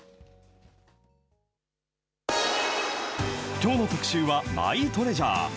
きょうの特集は、マイトレジャー。